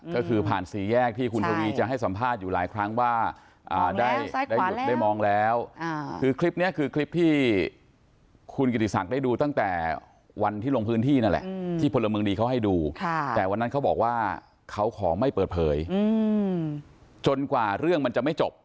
ก็คือผ่านสี่แยกที่คุณทวีจะให้สัมภาษณ์อยู่หลายครั้งว่าได้หยุดได้มองแล้วคือคลิปนี้คือคลิปที่คุณกิติศักดิ์ได้ดูตั้งแต่วันที่ลงพื้นที่นั่นแหละที่พลเมืองดีเขาให้ดูแต่วันนั้นเขาบอกว่าเขาขอไม่เปิดเผยจนกว่าเรื่องมันจะไม่จบ